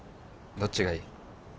どっちがいい？